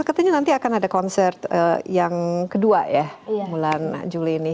katanya nanti akan ada konser yang kedua ya bulan juli ini